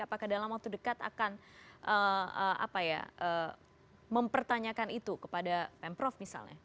apakah dalam waktu dekat akan mempertanyakan itu kepada pemprov misalnya